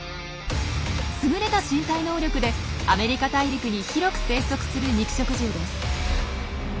優れた身体能力でアメリカ大陸に広く生息する肉食獣です。